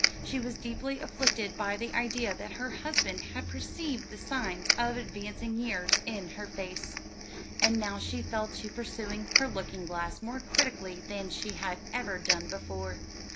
She was deeply afflicted by the idea that her husband had perceived the signs of advancing years in her face. And now she fell to perusing her looking glass more critically than she had ever done before.